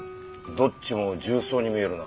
どっちも銃創に見えるな。